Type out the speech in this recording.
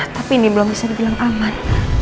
tapi ini belum bisa dibilang aman